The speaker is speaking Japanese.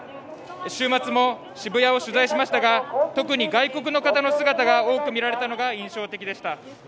週末も渋谷を取材しましたが、特に外国の方の姿が多く見られたのが印象的でした。